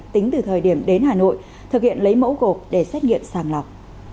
tính từ thời điểm đến hà nội thực hiện lấy mẫu gộp để xét nghiệm sàng lọc